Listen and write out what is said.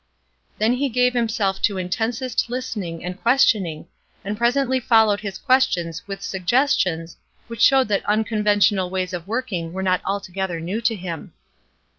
Then he gave himself to intensest listening and questioning, and presently followed his questions with suggestions which showed that unconventional ways of working were not altogether new to him.